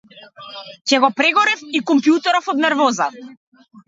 Ќе го прегорев и компјутеров од нервоза!